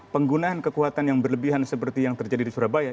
penggunaan kekuatan yang berlebihan seperti yang terjadi di surabaya